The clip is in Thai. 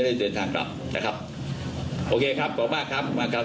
เดินทางกลับนะครับโอเคครับขอบมากครับมากครับ